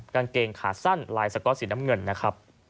กางเกงขาสั้นลายสก๊อตสีน้ำเงินนะครับ